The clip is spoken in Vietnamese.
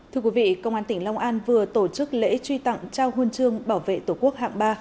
thưa quý vị công an tỉnh long an vừa tổ chức lễ truy tặng trao huân chương bảo vệ tổ quốc hạng ba